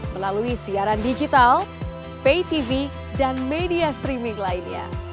melalui siaran digital pay tv dan media streaming lainnya